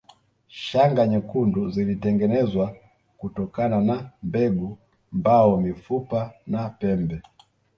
Shanga nyekundu zilitengenezwa kutokana na mbegu mbao mifupa na pembe